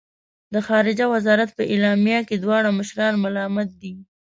د خارجه وزارت په اعلامیه کې دواړه مشران ملامت دي.